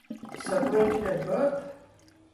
Separated at Birth?